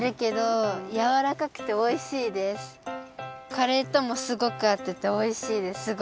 カレーともすごくあってておいしいですすごく。